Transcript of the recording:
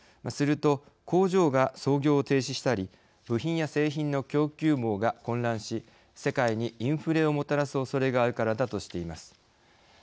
すると工場が操業を停止したり部品や製品の供給網が混乱し世界にインフレをもたらすおそれがあるからだ」としています。